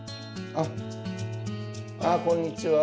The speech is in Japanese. ああこんにちは。